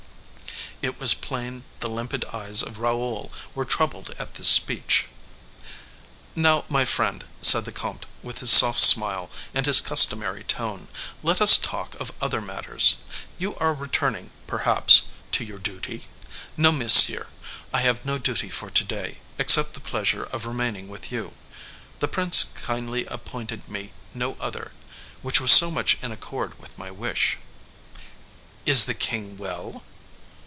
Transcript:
It was plain the limpid eyes of Raoul were troubled at this speech. "Now, my friend," said the comte, with his soft smile, and in his customary tone, "let us talk of other matters. You are returning, perhaps, to your duty?" "No, monsieur, I have no duty for to day, except the pleasure of remaining with you. The prince kindly appointed me no other: which was so much in accord with my wish." "Is the king well?"